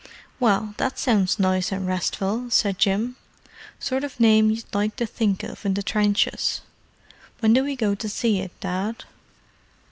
"Well, that sounds nice and restful," said Jim. "Sort of name you'd like to think of in the trenches. When do we go to see it, Dad?"